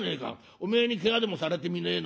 お前にけがでもされてみねえな。